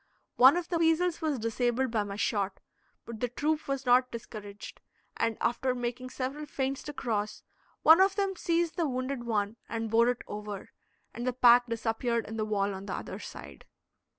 One of the weasels was disabled by my shot, but the troop was not discouraged, and, after making several feints to cross, one of them seized the wounded one and bore it over, and the pack disappeared in the wall on the other side.